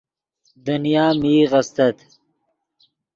دنیا میغ استت